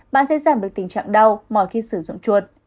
bạn sẽ giảm được tình trạng đau mỏi khi sử dụng chuột